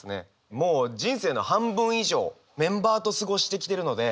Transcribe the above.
もう人生の半分以上メンバーと過ごしてきてるので。